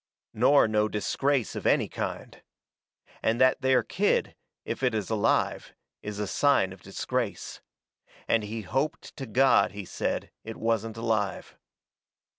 Nor no disgrace of any kind. And that there kid, if it is alive, is a sign of disgrace. And he hoped to God, he said, it wasn't alive.